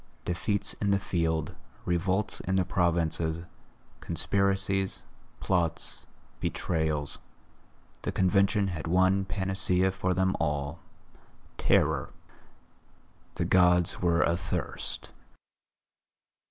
Defeats in the field, revolts in the provinces, conspiracies, plots, betrayals, the Convention had one panacea for them all, terror. The Gods were athirst.